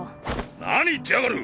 何言ってやがる！